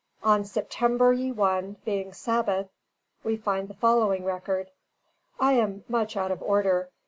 On "September ye 1, being Sabath," we find the following record: "I am much out of order.